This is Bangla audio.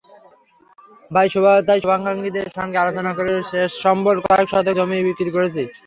তাই শুভাকাঙ্ক্ষীদের সঙ্গে আলোচনা করে শেষ সম্বল কয়েক শতক জমি বিক্রি করেছি।